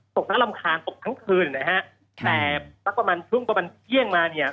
ตกทั้งรำคาญตกทั้งคืนนะฮะแต่สักประมาณช่วงประมาณเที่ยงมาเนี่ย